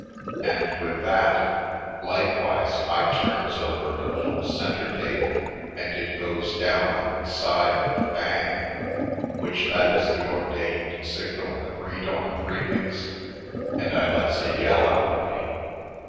And with that, likewise I turns over a little centre table and it goes down on its side with a bang, which that is the ordained signal agreed on previous, and I lets a yell out of me.